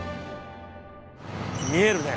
見えるね。